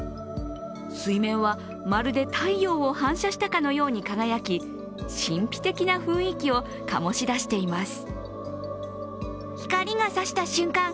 水面はまるで太陽を反射したかのように輝き、神秘的な雰囲気を醸し出しています。